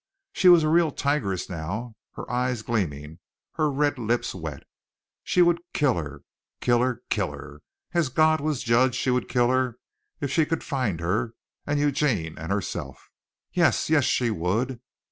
She was a real tigress now, her eyes gleaming, her red lips wet. She would kill her! kill her!! kill her!!! As God was judge, she would kill her if she could find her, and Eugene and herself. Yes, yes, she would.